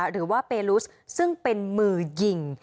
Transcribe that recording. หรือว่าเปลุสซึ่งเป็นมือยิง